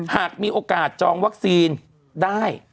หากมีโอกาสจองวัคซีนได้